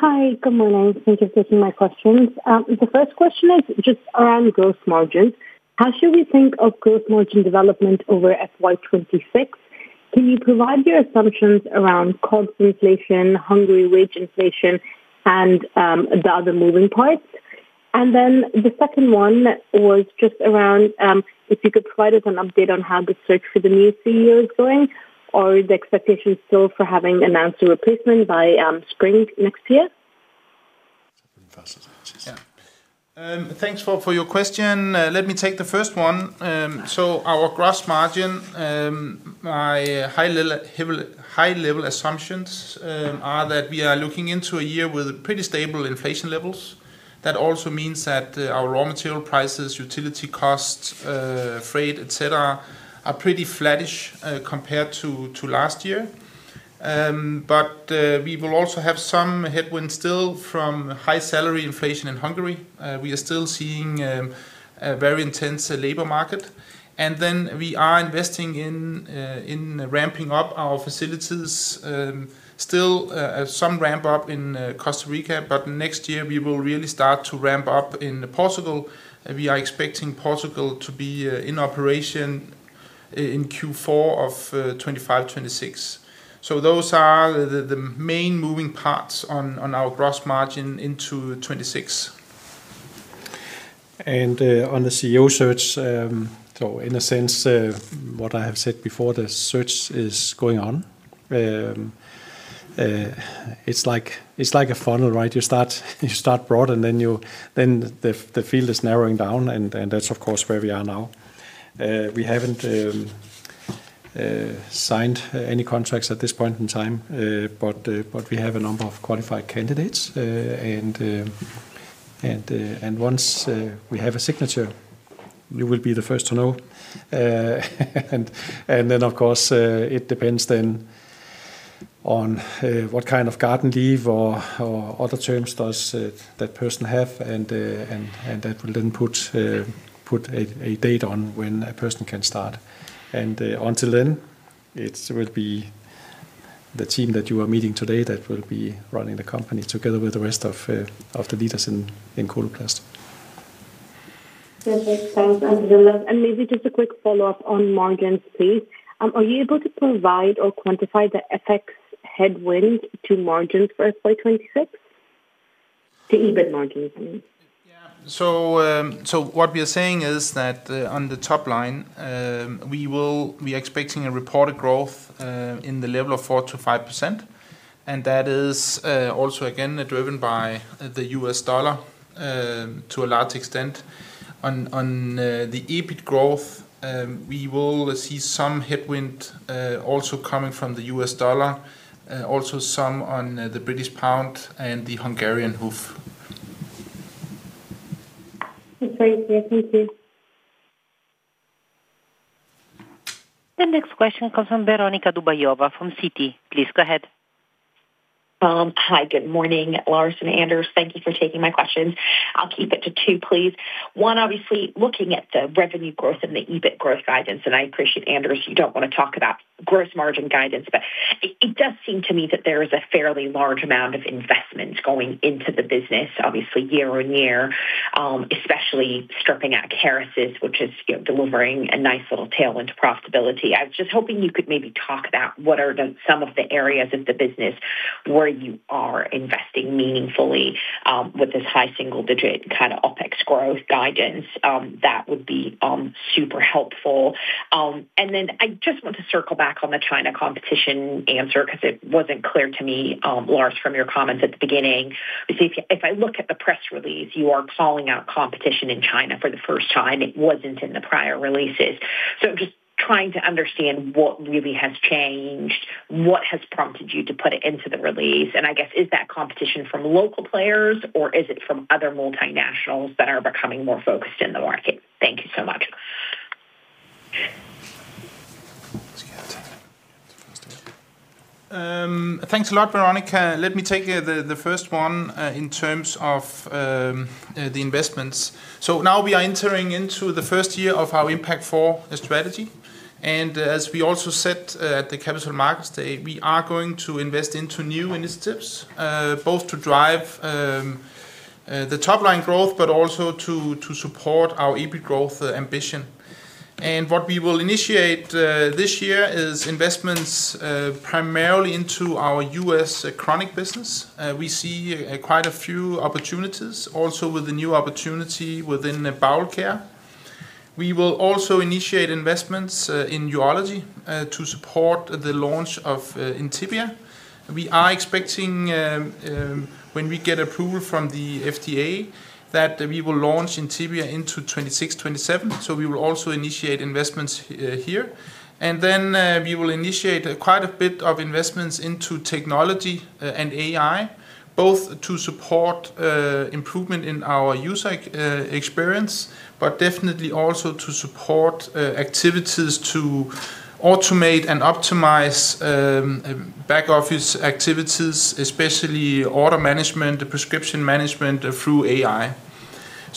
Hi, good morning. Thank you for taking my questions. The first question is just around gross margins. How should we think of gross margin development over FY2026? Can you provide your assumptions around constant inflation, Hungary wage inflation, and the other moving parts? The second one was just around if you could provide us an update on how the search for the new CEO is going or the expectations still for having an answer replacement by spring next year. Thanks for your question. Let me take the first one. Our gross margin, my high-level assumptions are that we are looking into a year with pretty stable inflation levels. That also means that our raw material prices, utility costs, freight, etc., are pretty flattish compared to last year. We will also have some headwinds still from high salary inflation in Hungary. We are still seeing a very intense labor market. We are investing in ramping up our facilities. Still some ramp-up in Costa Rica, but next year we will really start to ramp up in Portugal. We are expecting Portugal to be in operation in Q4 of 2025-2026. Those are the main moving parts on our gross margin into 2026. On the CEO search, in a sense, what I have said before, the search is going on. It is like a funnel, right? You start broad, and then the field is narrowing down, and that is, of course, where we are now. We have not. Signed any contracts at this point in time, but we have a number of qualified candidates. Once we have a signature, you will be the first to know. Of course, it depends on what kind of garden leave or other terms that person has, and that will then put a date on when a person can start. Until then, it will be the team that you are meeting today that will be running the company together with the rest of the leaders in Coloplast. Perfect. Thanks, Andreas. Maybe just a quick follow-up on margins, please. Are you able to provide or quantify the FX headwind to margins for FY2026? To EBIT margins, I mean. Yeah. What we are saying is that on the top line, we are expecting a reported growth in the level of 4-5%. That is also, again, driven by the US dollar to a large extent. On the EBIT growth, we will see some headwind also coming from the US dollar, also some on the British pound and the Hungarian forint. That's very clear, thank you. The next question comes from Veronica Dubayova from Citi. Please go ahead. Hi, good morning, Lars and Anders. Thank you for taking my questions. I'll keep it to two, please. One, obviously, looking at the revenue growth and the EBIT growth guidance, and I appreciate, Anders, you do not want to talk about gross margin guidance, but it does seem to me that there is a fairly large amount of investment going into the business, obviously, year on year, especially stripping out keratosis, which is delivering a nice little tailwind to profitability. I was just hoping you could maybe talk about what are some of the areas of the business where you are investing meaningfully with this high single-digit kind of OpEx growth guidance. That would be super helpful. I just want to circle back on the China competition answer because it was not clear to me, Lars, from your comments at the beginning. If I look at the press release, you are calling out competition in China for the first time. It was not in the prior releases. I am just trying to understand what really has changed, what has prompted you to put it into the release. I guess, is that competition from local players, or is it from other multinationals that are becoming more focused in the market? Thank you so much. Thanks a lot, Veronica. Let me take the first one in terms of the investments. Now we are entering into the first year of our Impact Four strategy. As we also said at the Capital Markets Day, we are going to invest into new initiatives, both to drive the top-line growth, but also to support our EBIT growth ambition. What we will initiate this year is investments primarily into our US chronic business. We see quite a few opportunities, also with the new opportunity within Biocare. We will also initiate investments in urology to support the launch of Intyvia. We are expecting. When we get approval from the FDA, that we will launch Intyvia into 2026-2027. We will also initiate investments here. We will initiate quite a bit of investments into technology and AI, both to support improvement in our user experience, but definitely also to support activities to automate and optimize back office activities, especially order management, prescription management through AI.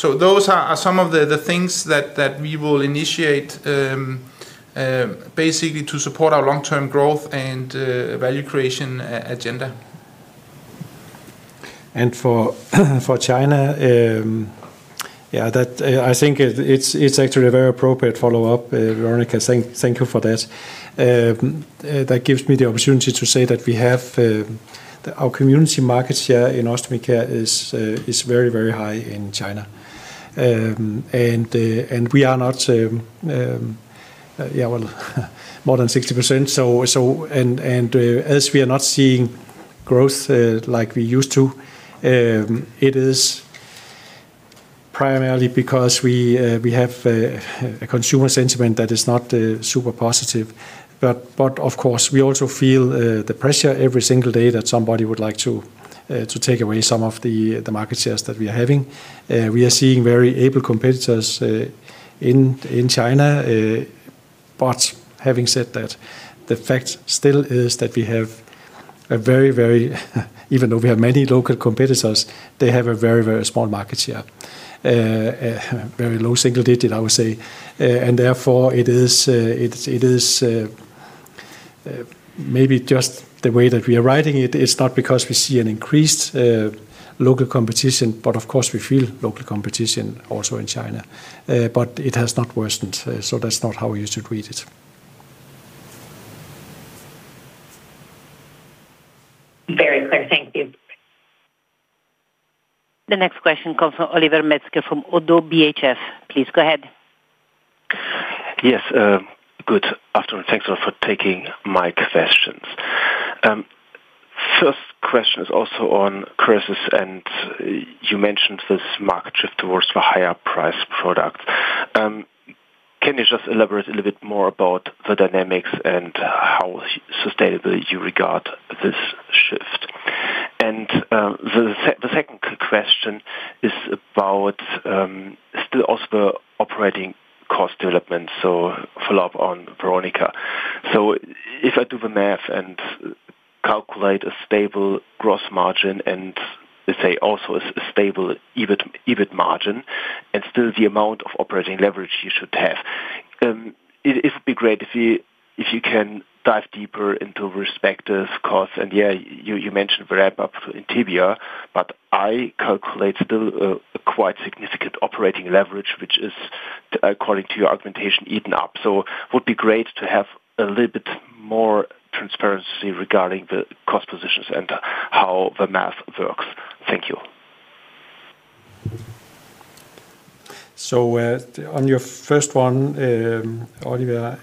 Those are some of the things that we will initiate, basically to support our long-term growth and value creation agenda. For China. Yeah, I think it's actually a very appropriate follow-up, Veronica. Thank you for that. That gives me the opportunity to say that we have our community market share in ostomy care is very, very high in China. We are not. Yeah, well, more than 60%. As we are not seeing growth like we used to, it is primarily because we have a consumer sentiment that is not super positive. Of course, we also feel the pressure every single day that somebody would like to take away some of the market shares that we are having. We are seeing very able competitors in China. Having said that, the fact still is that we have a very, very—even though we have many local competitors, they have a very, very small market share. Very low single digit, I would say. Therefore, it is maybe just the way that we are writing it. It's not because we see an increased local competition, but of course, we feel local competition also in China. It has not worsened. That's not how we should read it. Very clear. Thank you. The next question comes from Oliver Metzger from Oddo BHF. Please go ahead. Yes. Good afternoon. Thanks for taking my questions. First question is also on keratosis, and you mentioned this market shift towards the higher-priced product. Can you just elaborate a little bit more about the dynamics and how sustainable you regard this shift? The second question is about still also the operating cost development. Follow-up on Veronica. If I do the math and calculate a stable gross margin and, let's say, also a stable EBIT margin, and still the amount of operating leverage you should have, it would be great if you can dive deeper into respective costs. Yeah, you mentioned the ramp-up to Intyvia, but I calculate still a quite significant operating leverage, which is, according to your argumentation, eaten up. It would be great to have a little bit more transparency regarding the cost positions and how the math works. Thank you. On your first one, Oliver.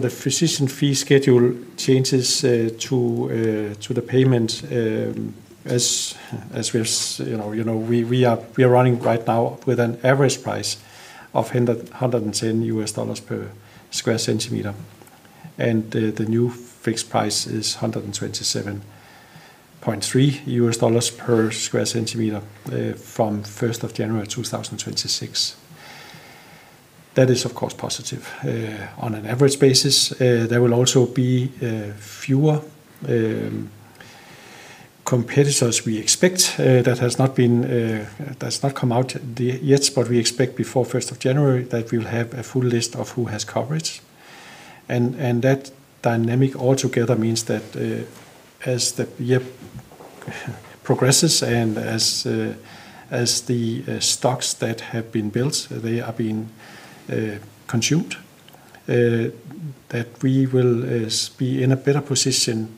The physician fee schedule changes to the payment. As we are running right now with an average price of $110 per square centimeter, and the new fixed price is $127. $3 per sq cm from 1st of January 2026. That is, of course, positive. On an average basis, there will also be fewer competitors. We expect that has not been, that's not come out yet, but we expect before 1st of January that we will have a full list of who has coverage. That dynamic altogether means that as the year progresses and as the stocks that have been built, they are being consumed, that we will be in a better position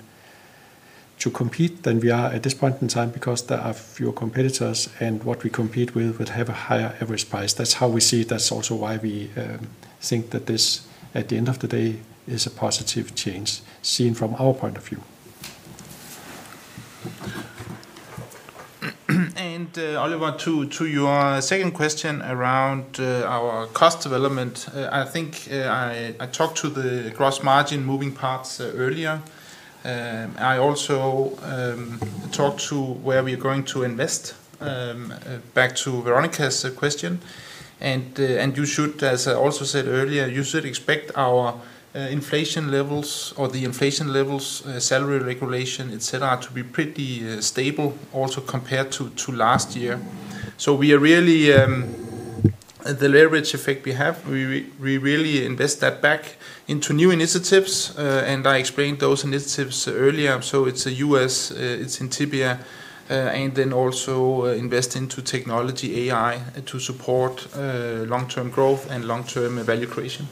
to compete than we are at this point in time because there are fewer competitors, and what we compete with would have a higher average price. That's how we see it. That's also why we think that this, at the end of the day, is a positive change seen from our point of view. Oliver, to your second question around our cost development, I think I talked to the gross margin moving parts earlier. I also talked to where we are going to invest. Back to Veronica's question. You should, as I also said earlier, you should expect our inflation levels or the inflation levels, salary regulation, etc., to be pretty stable also compared to last year. We are really, the leverage effect we have, we really invest that back into new initiatives. I explained those initiatives earlier. It's a US, it's Intyvia, and then also invest into technology, AI, to support long-term growth and long-term value creation.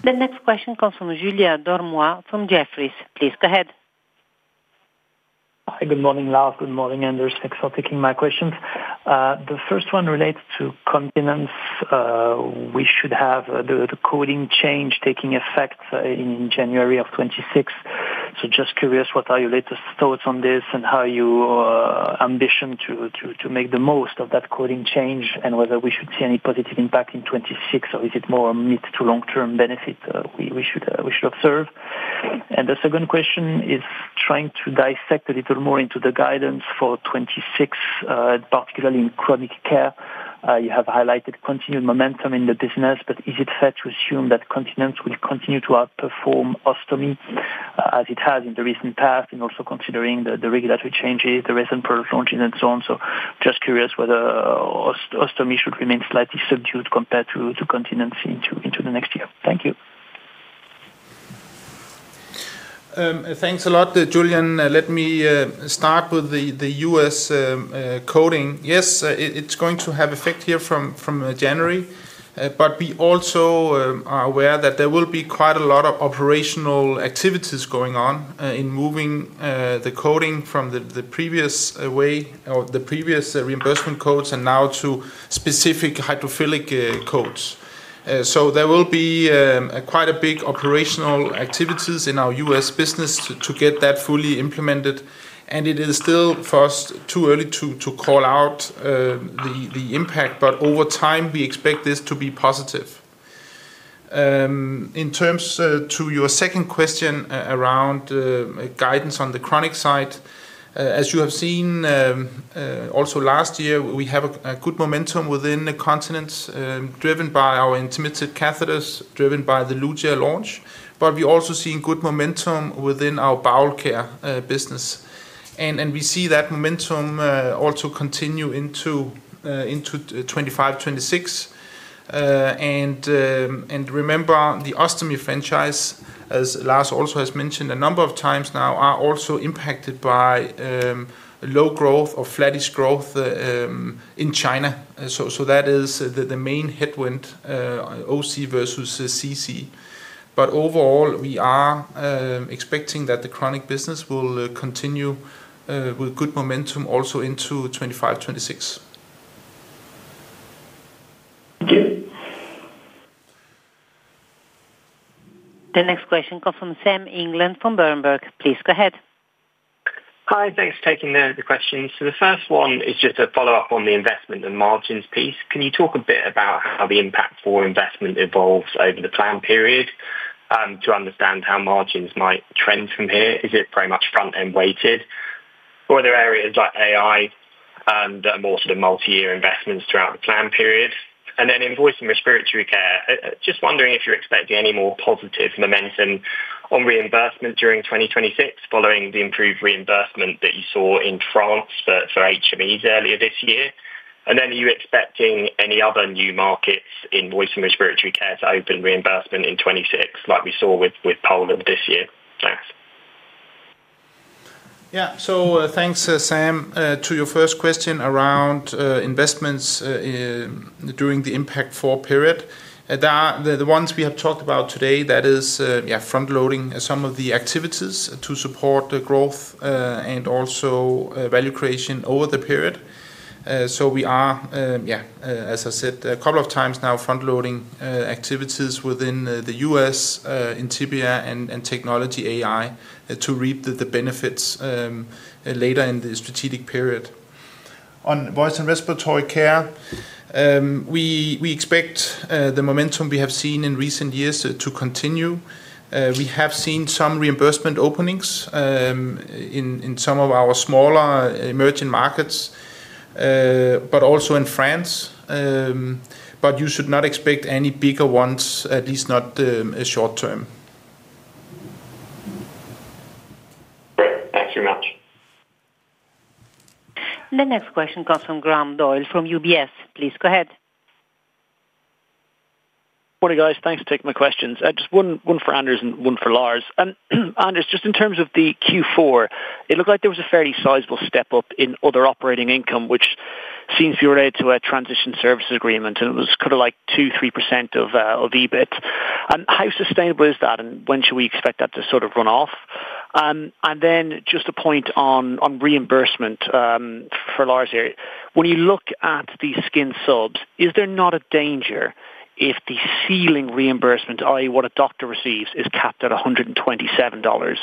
Okay. Thank you. The next question comes from Julia Dormois from Jefferies. Please go ahead. Hi, good morning, Lars. Good morning, Anders. Thanks for taking my questions. The first one relates to confidence. We should have the coding change taking effect in January of 2026. Just curious, what are your latest thoughts on this and how you ambition to make the most of that coding change and whether we should see any positive impact in 2026, or is it more a mid to long-term benefit we should observe? The second question is trying to dissect a little more into the guidance for 2026, particularly in chronic care. You have highlighted continued momentum in the business, but is it fair to assume that continence will continue to outperform ostomy as it has in the recent past, and also considering the regulatory changes, the recent product launches, and so on? Just curious whether ostomy should remain slightly subdued compared to continence into the next year. Thank you. Thanks a lot, Julia. Let me start with the US coding. Yes, it's going to have effect here from January, but we also are aware that there will be quite a lot of operational activities going on in moving the coding from the previous way or the previous reimbursement codes and now to specific hydrophilic codes. There will be quite a big operational activities in our US business to get that fully implemented. It is still, first, too early to call out. The impact, but over time, we expect this to be positive. In terms to your second question around guidance on the chronic side, as you have seen, also last year, we have a good momentum within the continence driven by our intermittent catheters, driven by the Ludia launch, but we also see good momentum within our bowel care business. And we see that momentum also continue into 2025, 2026. Remember, the ostomy franchise, as Lars also has mentioned a number of times now, are also impacted by low growth or flattish growth in China. That is the main headwind. OC versus CC. Overall, we are expecting that the chronic business will continue with good momentum also into 2025, 2026. Thank you. The next question comes from Sam England from Berenberg. Please go ahead. Hi. Thanks for taking the question. The first one is just a follow-up on the investment and margins piece. Can you talk a bit about how the impact for investment evolves over the plan period to understand how margins might trend from here? Is it very much front-end weighted? Or are there areas like AI that are more sort of multi-year investments throughout the plan period? And then in voice and respiratory care, just wondering if you're expecting any more positive momentum on reimbursement during 2026 following the improved reimbursement that you saw in France for HMEs earlier this year? And then are you expecting any other new markets, in voice and respiratory care, to open reimbursement in 2026 like we saw with Poland this year? Thanks. Yeah. Thanks, Sam, to your first question around investments. During the Impact Four period, the ones we have talked about today, that is, yeah, front-loading some of the activities to support the growth and also value creation over the period. We are, yeah, as I said, a couple of times now, front-loading activities within the U.S., Intyvia, and technology AI to reap the benefits later in the strategic period. On voice and respiratory care, we expect the momentum we have seen in recent years to continue. We have seen some reimbursement openings in some of our smaller emerging markets, but also in France. You should not expect any bigger ones, at least not short-term. Thanks very much. The next question comes from Oliver Metzger from UBS. Please go ahead. Morning, guys. Thanks for taking my questions. Just one for Anders and one for Lars. Anders, just in terms of the Q4, it looked like there was a fairly sizable step up in other operating income, which seems to be related to a transition service agreement, and it was kind of like 2-3% of EBIT. How sustainable is that, and when should we expect that to sort of run off? And then just a point on reimbursement for Lars here. When you look at the skin subs, is there not a danger if the ceiling reimbursement, i.e., what a doctor receives, is capped at $127?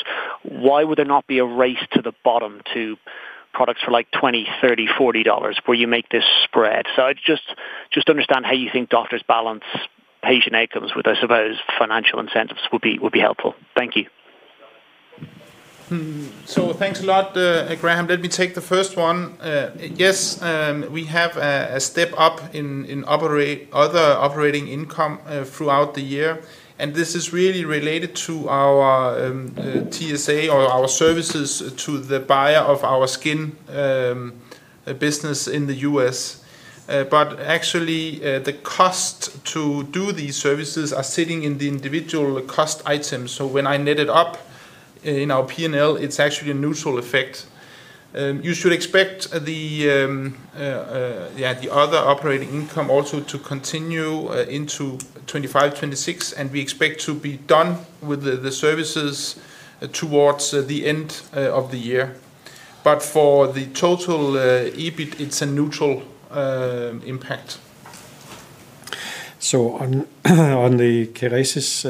Why would there not be a race to the bottom to products for like $20, $30, $40 where you make this spread? I just understand how you think doctors balance patient outcomes with, I suppose, financial incentives would be helpful. Thank you. Thank you a lot, Graham. Let me take the first one. Yes, we have a step up in other operating income throughout the year, and this is really related to our TSA or our services to the buyer of our skin business in the U.S. Actually, the cost to do these services are sitting in the individual cost items. When I net it up in our P&L, it is actually a neutral effect. You should expect the other operating income also to continue into 2025, 2026, and we expect to be done with the services towards the end of the year. For the total EBIT, it is a neutral impact. On the keratosis,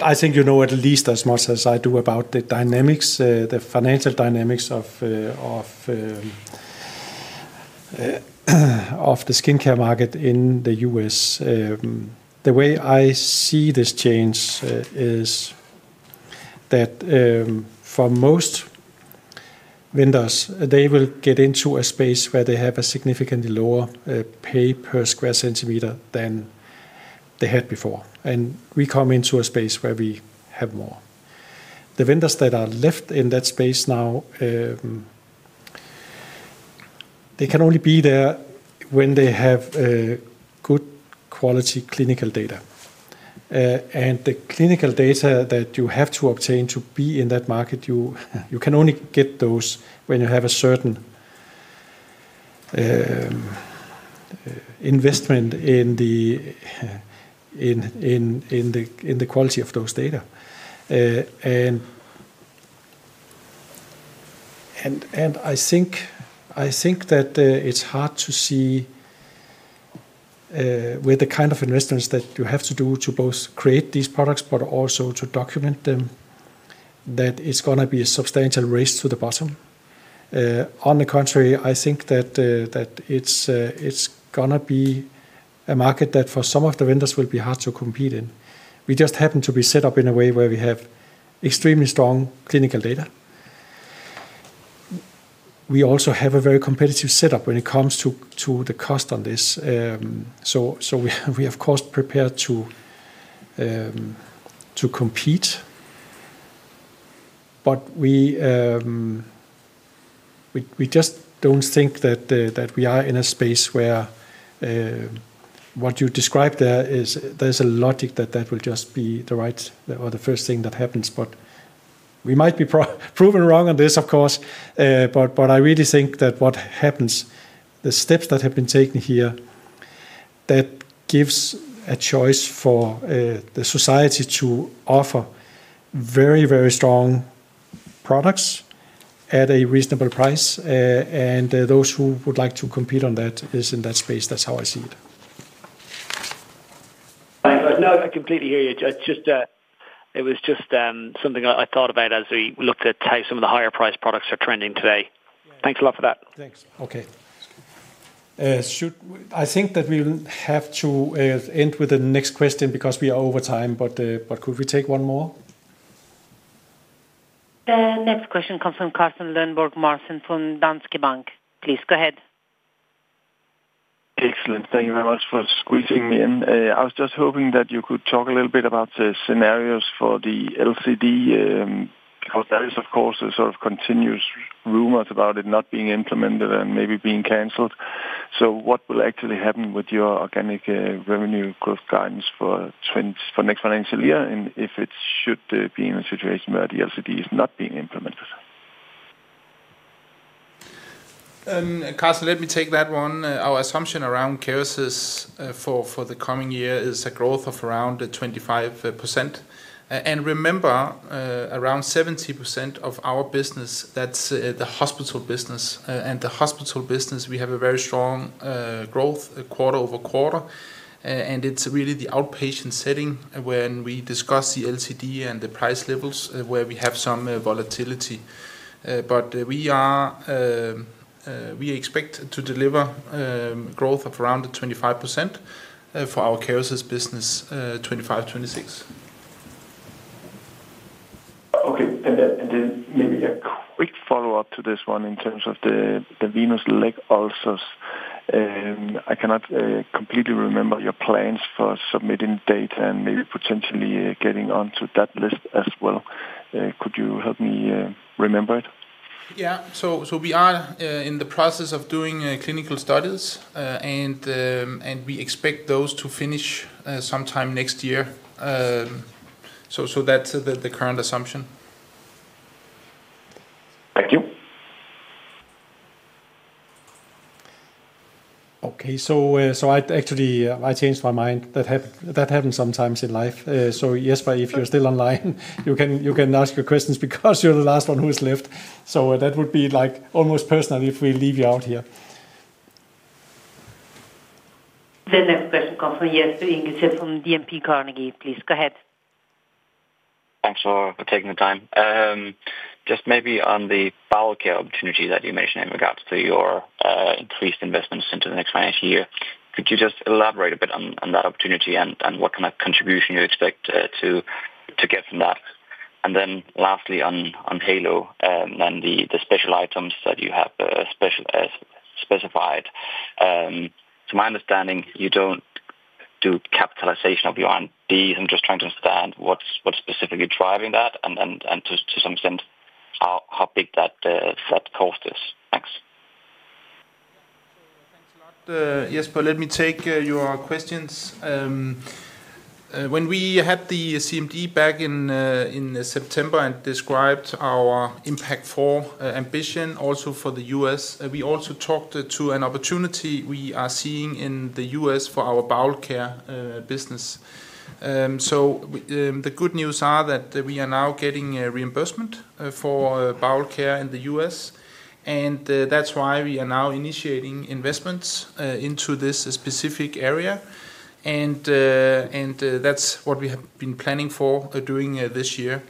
I think you know at least as much as I do about the dynamics, the financial dynamics of the skincare market in the U.S. The way I see this change is that for most vendors, they will get into a space where they have a significantly lower pay per square centimeter than they had before. We come into a space where we have more—the vendors that are left in that space now—they can only be there when they have good quality clinical data. The clinical data that you have to obtain to be in that market, you can only get those when you have a certain investment in the quality of those data. I think that it is hard to see, with the kind of investments that you have to do to both create these products but also to document them, that it is going to be a substantial race to the bottom. On the contrary, I think that it is going to be a market that for some of the vendors will be hard to compete in. We just happen to be set up in a way where we have extremely strong clinical data. We also have a very competitive setup when it comes to the cost on this. We are, of course, prepared to compete, but we just do not think that we are in a space where what you described there is—there is a logic that that will just be the right or the first thing that happens. We might be proven wrong on this, of course, but I really think that what happens, the steps that have been taken here, that gives a choice for the society to offer very, very strong products at a reasonable price. Those who would like to compete on that are in that space. That is how I see it. No, I completely hear you. It was just something I thought about as we looked at how some of the higher-priced products are trending today. Thanks a lot for that. Thanks. Okay. I think that we'll have to end with the next question because we are over time, but could we take one more? The next question comes from Carsten Lundborg Marson from Danske Bank. Please go ahead. Excellent. Thank you very much for squeezing me in. I was just hoping that you could talk a little bit about the scenarios for the LCD. Because there is, of course, a sort of continuous rumor about it not being implemented and maybe being canceled. What will actually happen with your organic revenue growth guidance for next financial year if it should be in a situation where the LCD is not being implemented? Carsten, let me take that one. Our assumption around keratosis for the coming year is a growth of around 25%. And remember, around 70% of our business, that's the hospital business. The hospital business, we have a very strong growth quarter over quarter. It is really the outpatient setting when we discuss the LCD and the price levels where we have some volatility. We expect to deliver growth of around 25% for our keratosis business 2025, 2026. Okay. Maybe a quick follow-up to this one in terms of the venous leg ulcers. I cannot completely remember your plans for submitting data and maybe potentially getting onto that list as well. Could you help me remember it? Yeah. We are in the process of doing clinical studies, and we expect those to finish sometime next year. That is the current assumption. Thank you. Okay. Actually, I changed my mind. That happens sometimes in life. Yes, if you're still online, you can ask your questions because you're the last one who's left. That would be almost personal if we leave you out here. The next question comes from Yes from DMP Carnegie. Please go ahead. Thanks for taking the time. Just maybe on the bowel care opportunity that you mentioned in regards to your increased investments into the next financial year, could you just elaborate a bit on that opportunity and what kind of contribution you expect to get from that? Lastly, on Halo and the special items that you have specified. To my understanding, you do not do capitalization of your R&D. I am just trying to understand what is specifically driving that and to some extent how big that cost is. Thanks. Thanks a lot. Yes, let me take your questions. When we had the CMD back in September and described our Impact Four ambition also for the US, we also talked to an opportunity we are seeing in the US for our bowel care business. The good news is that we are now getting reimbursement for bowel care in the US, and that is why we are now initiating investments into this specific area. That is what we have been planning for doing this year.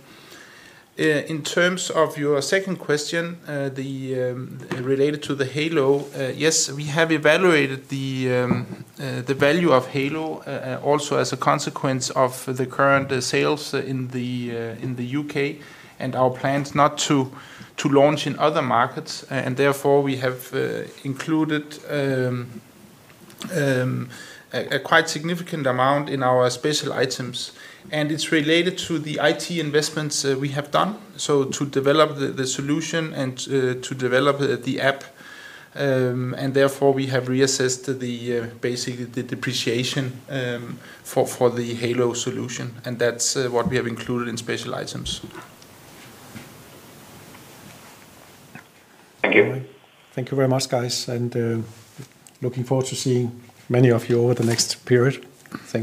In terms of your second question related to the Halo, yes, we have evaluated the value of Halo also as a consequence of the current sales in the U.K. and our plans not to launch in other markets. Therefore, we have included a quite significant amount in our special items, and it is related to the IT investments we have done to develop the solution and to develop the app. Therefore, we have reassessed basically the depreciation for the Halo solution, and that is what we have included in special items. Thank you. Thank you very much, guys. Looking forward to seeing many of you over the next period. Same.